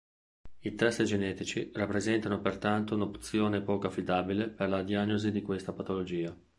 I test genetici rappresentano pertanto un’opzione poco affidabile per la diagnosi di questa patologia.